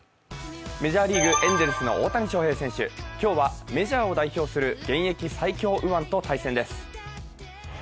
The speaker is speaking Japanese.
メジャーリーグ、エンゼルスの大谷翔平選手、今日はメジャーを代表する現役最強右腕と対戦です。